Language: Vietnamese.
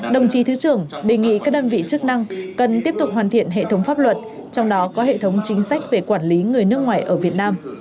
đồng chí thứ trưởng đề nghị các đơn vị chức năng cần tiếp tục hoàn thiện hệ thống pháp luật trong đó có hệ thống chính sách về quản lý người nước ngoài ở việt nam